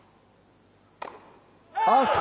アウト。